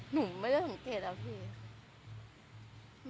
หนูไม่ได้สังเกตแล้วพี่